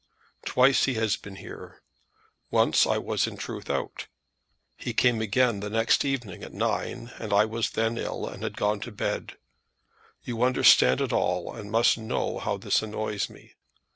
Twice he has been here. Once I was in truth out. He came again the next evening at nine, and I was then ill, and had gone to bed. You understand it all, and must know how this annoys me.